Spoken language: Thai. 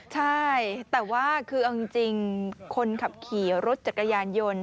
ใช่แต่ว่าคือเอาจริงคนขับขี่รถจักรยานยนต์